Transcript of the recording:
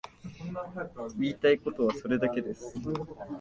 言いたいことはそれだけです。